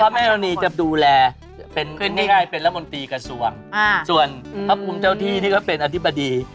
พระแม่ธรณีจะดูแลเป็นละมนตรีกระทรวงส่วนพระภูมิเจ้าที่ที่ก็เป็นอธิบดี